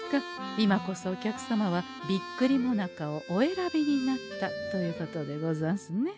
今こそお客様はビッグリもなかをお選びになったということでござんすね。